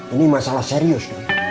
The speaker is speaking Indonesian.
ini masalah serius